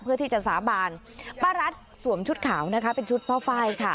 เพื่อที่จะสาบานป้ารัฐสวมชุดขาวนะคะเป็นชุดพ่อไฟล์ค่ะ